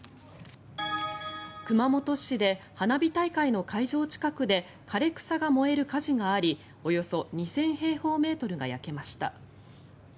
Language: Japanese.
熊本市で花火大会の会場近くで枯れ草が燃える火事がありおよそ２０００平方メートルが焼けました。